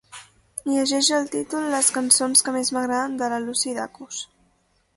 Llegeix el títol les cançons que més m'agraden de la Lucy Dacus.